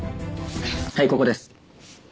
はいここです。